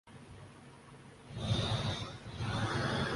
چابی ایک نئی بی ایم ڈبلیو کی تھی۔